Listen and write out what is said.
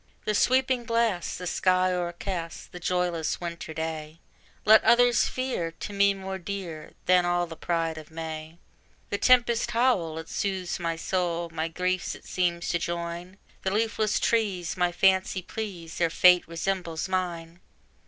"The sweeping blast, the sky o'ercast," The joyless winter day Let others fear, to me more dear Than all the pride of May: The tempest's howl, it soothes my soul, My griefs it seems to join; The leafless trees my fancy please, Their fate resembles mine!